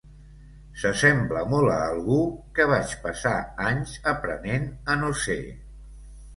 S'assembla molt a algú que vaig passar anys aprenent a no ser.